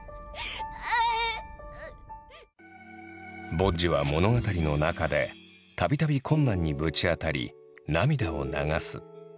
ボッジは物語の中でたびたび困難にぶち当たり涙を流す。